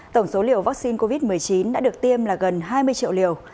tổng số liều vaccine covid một mươi chín đã được tiêm là gần hai mươi triệu liều